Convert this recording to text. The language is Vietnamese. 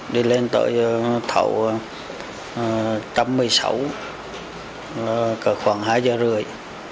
đi lên tới thầu trăm một mươi sáu cỡ khoảng hai giờ rưỡi